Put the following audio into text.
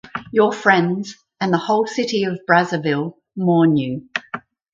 Your friends and the whole city of Brazzaville mourn you.